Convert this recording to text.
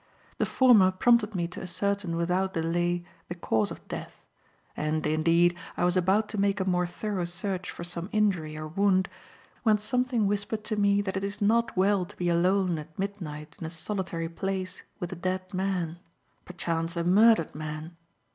The former prompted me to ascertain without delay the cause of death; and, indeed, I was about to make a more thorough search for some injury or wound when something whispered to me that it is not well to be alone at midnight in a solitary place with a dead man perchance a murdered man.